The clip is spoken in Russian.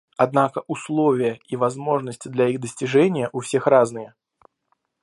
Однако условия и возможности для их достижения у всех разные.